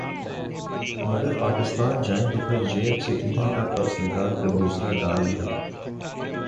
مگر پاکستان جائیں تو پھر جیب سے ادھر کا پرس نکال کر دوسرا ڈال لیا